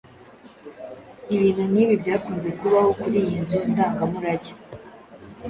Ibintu nk'ibi byakunze kubaho kuri iyi nzu ndangamurage